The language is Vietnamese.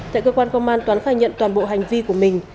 tại cơ quan công an tuấn khai nhận toàn bộ hành vi của mình